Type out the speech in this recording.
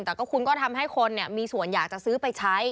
แต่ก็คุณก็ทำให้คนมีส่วนอยากจะซื้อไปใช้